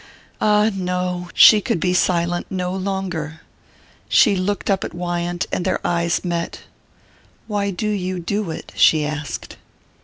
Ah, no she could be silent no longer.... She looked up at Wyant, and their eyes met. "Why do you do it?" she asked.